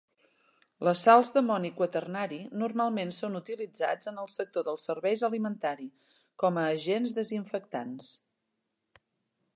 Les sals d'amoni quaternari normalment són utilitzats en el sector dels serveis alimentari, com a agents desinfectants.